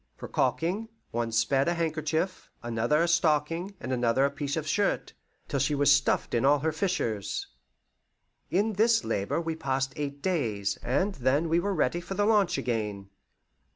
For caulking, one spared a handkerchief, another a stocking, and another a piece of shirt, till she was stuffed in all her fissures. In this labour we passed eight days, and then were ready for the launch again.